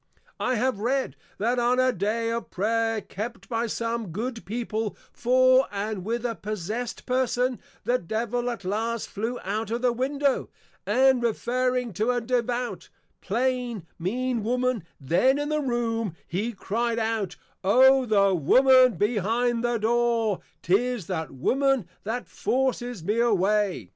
I have Read, That on a day of Prayer kept by some good People for and with a Possessed Person, the Devil at last flew out of the Window, and referring to a Devout, plain, mean Woman then in the Room, he cry'd out, _O the Woman behind the Door! 'Tis that Woman that forces me away!